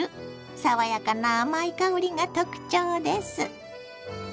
爽やかな甘い香りが特徴です。